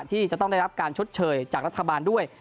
ที่จะต้องได้รับการชดเชยจากรัฐบาลด้วย